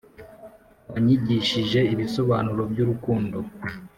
wanyigishije ibisobanuro byurukundo.